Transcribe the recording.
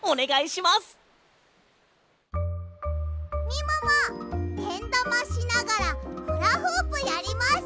みももけんだましながらフラフープやります。